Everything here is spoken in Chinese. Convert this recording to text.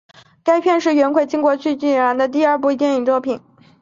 该片是元奎进军国际影坛的第二部电影作品。